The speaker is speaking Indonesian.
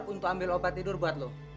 untuk ambil obat tidur buat lo